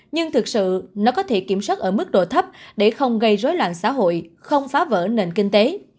nhưng thực sự nó có thể kiểm soát ở mức độ thấp để không gây rối loạn xã hội không phá vỡ nền kinh tế